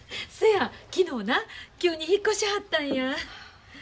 そや昨日な急に引っ越しはったんや。